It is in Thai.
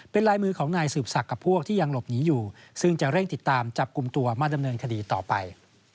เป็นลายมือของนายสืบศักดิ์กับพวกที่ยังหลบหนีอยู่ซึ่งจะเร่งติดตามจับกลุ่มตัวมาดำเนินคดีต่อไป